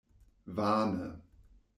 Vane!